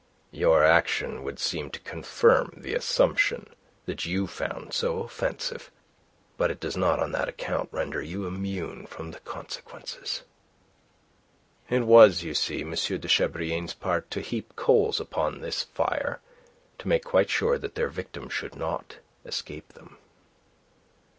Your action would seem to confirm the assumption that you found so offensive. But it does not on that account render you immune from the consequences." It was, you see, M. de Chabrillane's part to heap coals upon this fire, to make quite sure that their victim should not escape them.